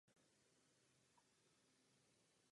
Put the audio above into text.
Šperky v tomto období nosily převážně ženy.